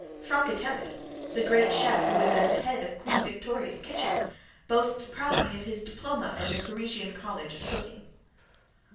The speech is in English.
Francatelli, the great chef who was at the head of Queen Victoria's kitchen, boasts proudly of his diploma from the Parisian College of Cooking.